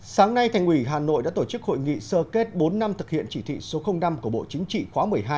sáng nay thành ủy hà nội đã tổ chức hội nghị sơ kết bốn năm thực hiện chỉ thị số năm của bộ chính trị khóa một mươi hai